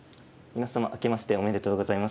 皆様明けましておめでとうございます。